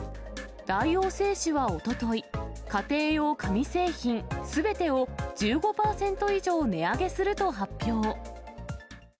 大王製紙はおととい、家庭用紙製品すべてを１５％以上値上げすると発表。